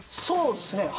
そうですね。